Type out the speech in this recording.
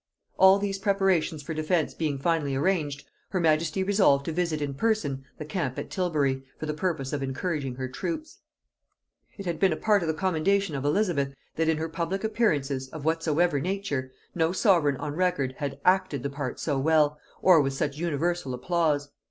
All these preparations for defence being finally arranged, her majesty resolved to visit in person the camp at Tilbury, for the purpose of encouraging her troops. It had been a part of the commendation of Elizabeth, that in her public appearances, of whatsoever nature, no sovereign on record had acted the part so well, or with such universal applause.